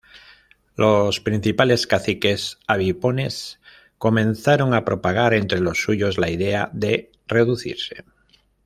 Los principales caciques abipones comenzaron a propagar entre los suyos la idea de reducirse.